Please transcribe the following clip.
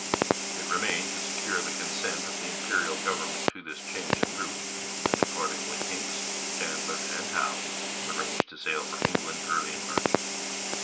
It remained to secure the consent of the Imperial government to this change in route, and accordingly Hincks, Chandler, and Howe arranged to sail for England early in March.